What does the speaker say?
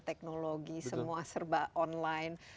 teknologi semua serba online